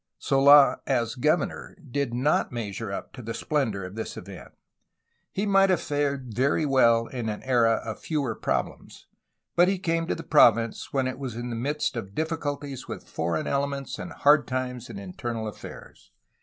Sola as a gov ernor did not measure up to the splendor of this event. He might have fared very well in an era of fewer problems, but he came to the province when it was in the midst of diffi culties with foreign elements and hard times in internal affairs.